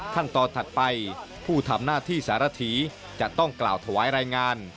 ถัดไปผู้ทำหน้าที่สารถีจะต้องกล่าวถวายรายงาน